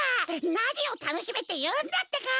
なにをたのしめっていうんだってか！